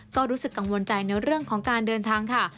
ก็รู้สึกกังวลใจในเรื่องของการเดินทางค่ะ